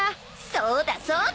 そうだそうだ。